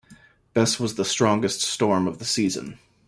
Bess was the strongest storm of the season.